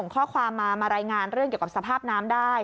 ข้อความมามารายงานเรื่องเกี่ยวกับสภาพน้ำได้